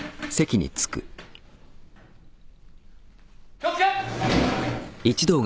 気を付け！